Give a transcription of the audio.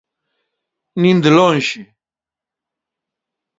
Nin de lonxe.